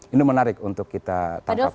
ini menarik untuk kita tangkap